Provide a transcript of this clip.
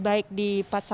baik di empat puluh satu